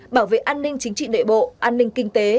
bảo vệ an ninh chính trị nội bộ an ninh kinh tế